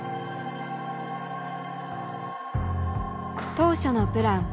当初のプラン。